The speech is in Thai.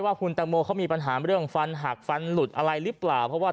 ว่าคุณตังโมเขามีปัญหาเรื่องฟันหักฟันหลุดอะไรหรือเปล่าเพราะว่า